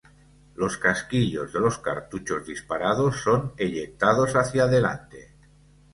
Los casquillos de los cartuchos disparados son eyectados hacia adelante.